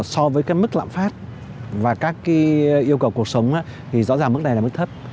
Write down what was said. so với cái mức lạm phát và các cái yêu cầu cuộc sống thì rõ ràng mức này là mức thấp